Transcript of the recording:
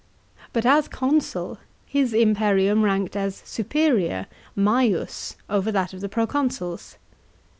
But as consul, his imperium ranked as superior (maius) over that of the proconsuls.